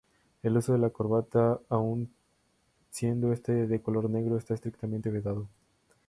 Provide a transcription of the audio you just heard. El uso de corbata, aun siendo esta de color negro, está estrictamente vedado.